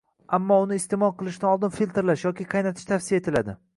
Ammo uni iste’mol qilishdan oldin filtrlash yoki qaynatish tavsiya etiladi.